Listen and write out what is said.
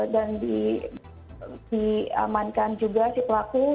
dan diamankan juga si pelaku